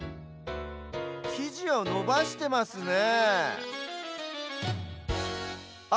きじをのばしてますねえあ！